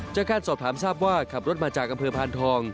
จากการสอบถามทราบว่าขับรถมาจากอำเภอพานทอง